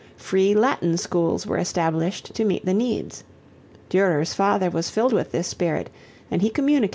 Free Latin schools were established to meet the needs. Durer's father was filled with this spirit and he communicated it to his son.